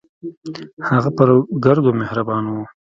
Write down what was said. هغه پر ګردو مهربان و.